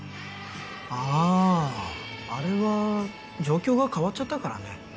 あああれは状況が変わっちゃったからね